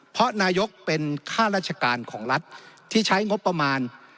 เพราะนายกเป็นค่าราชการของรัฐที่ใช้งบประมาณ